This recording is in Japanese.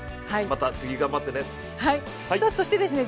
また次頑張ってね。